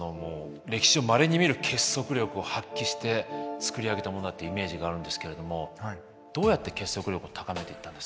歴史上まれに見る結束力を発揮して作り上げたものだってイメージがあるんですけれどもどうやって結束力を高めていったんですか？